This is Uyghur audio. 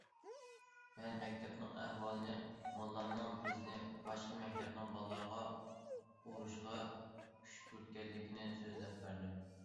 مەن مەكتەپنىڭ ئەھۋالىنى، موللامنىڭ بىزنى باشقا مەكتەپنىڭ بالىلىرىغا ئۇرۇشقا كۈشكۈرتكەنلىكىنى سۆزلەپ بەردىم.